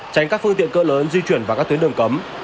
tránh các phương tiện cơ lớn di chuyển vào các tuyến đường cấm